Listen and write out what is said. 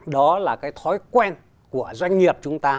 đó là cái thói quen của doanh nghiệp chúng ta